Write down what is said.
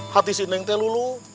hati sindang teh lulu